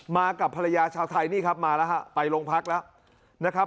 มากับภรรยาชาวไทยนี่ครับมาแล้วฮะไปโรงพักแล้วนะครับ